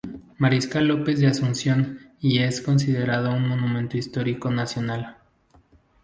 Mariscal López de Asunción y es considerado un monumento histórico nacional.